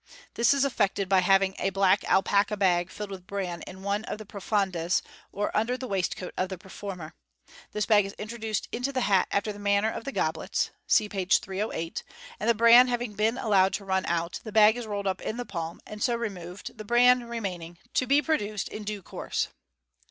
This is effected by having a black alpaca bag filled with bran in one of the prqfondes or under the waistcoat of the performer. This bag is introduced into the hat after the manner of the goblets (see page 308), and the bran having been allowed to run out, the bag is rolled up in the palm, and so removed, the bran remaining, to be produced in due course.